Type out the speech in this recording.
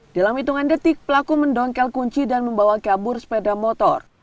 dalam hitungan detik pelaku mendongkel kunci dan membawa kabur sepeda motor